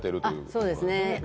そうですね